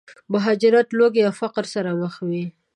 مهاجرت، لوږې او فقر سره مخ وي.